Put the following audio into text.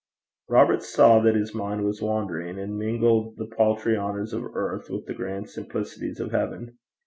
Robert saw that his mind was wandering, and mingled the paltry honours of earth with the grand simplicities of heaven.